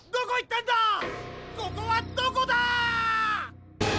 ここはどこだ！？